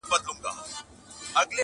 o چورت ئې واهه، خورجين ئې بايلوی!